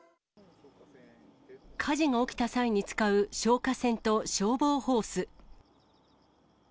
火事が起きた際に使う消火栓と消防ホース。